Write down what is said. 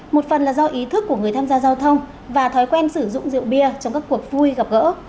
một phần là do ý thức của người tham gia giao thông và thói quen sử dụng rượu bia trong các cuộc vui gặp gỡ